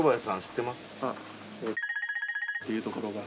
っていうところが。